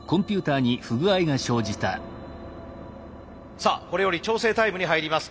さあこれより調整タイムに入ります。